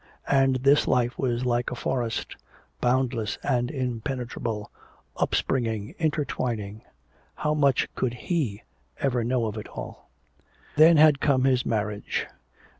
And this life was like a forest, boundless and impenetrable, up springing, intertwining. How much could he ever know of it all? Then had come his marriage.